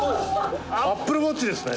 「ＡｐｐｌｅＷａｔｃｈですね」